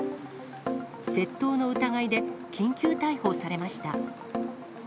窃盗の疑いで緊急逮捕されました。